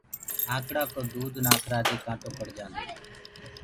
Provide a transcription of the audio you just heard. آنڪڙآ ڪو دود نآکرآ دي ڪآنٽو ڪڙجآندوئي۔